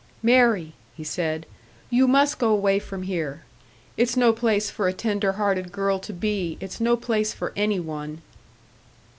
"Mary," he said, "you must go away from here! It's no place for a tenderhearted girl to be. It's no place for any one!"